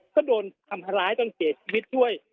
ก็โดนทำร้ายต้น๗ชีวิตด้วย